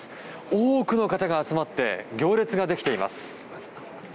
多くの方が集まって行列ができています。